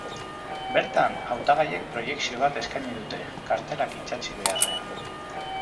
Bertan, hautagaiek proiekzio bat eskaini dute, kartelak itsatsi beharrean.